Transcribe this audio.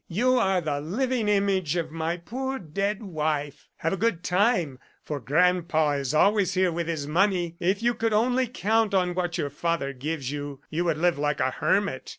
"You are the living image of my poor dead wife. ... Have a good time, for Grandpa is always here with his money! If you could only count on what your father gives you, you would live like a hermit.